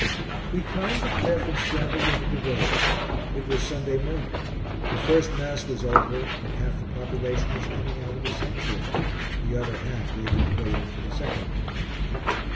We climbed the cliff and scrambled into the village. It was Sunday morning; the first Mass was over and half the population was coming out of the sanctuary, the other half waiting to go in for the second Mass.